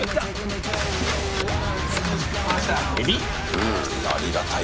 うんありがたい。